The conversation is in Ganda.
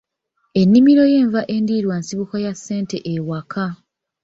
Ennimiro y'enva endiirwa nsibuko ya ssente ewaka.